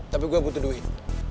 tapi gue butuh duit